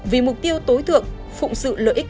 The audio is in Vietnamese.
vì mục tiêu tối thượng phụng sự lợi ích